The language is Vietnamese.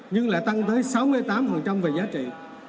nhưng lại tăng tới sáu mươi tám về giá trị